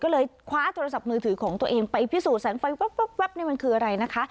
ก็เลยคว้าโทรศัพท์มือถือของตัวเองไปพิสูจนแสงไฟแว๊บนี่มันคืออะไรนะคะ